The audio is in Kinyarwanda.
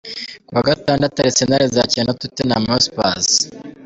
Kuwa Gatandatu, Arsenal izakira Tottenham Hotspur.